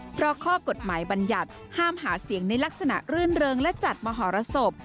เพราะข้อกฎหมายบรรยัติห้ามหาเสียงในลักษณะรื่นเริงและจัดมหรสบ